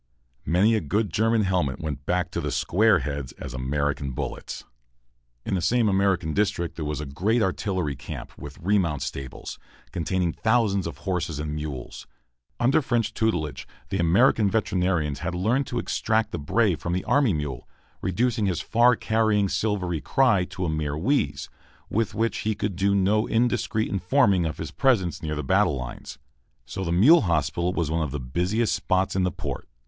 Many a good German helmet went back to the "square heads" as American bullets. In the same American district there was a great artillery camp, with remount stables, containing thousands of horses and mules. Under French tutelage, the American veterinarians had learned to extract the bray from the army mule, reducing his far carrying silvery cry to a mere wheeze, with which he could do no indiscreet informing of his presence near the battle lines. So the mule hospital was one of the busiest spots in the port.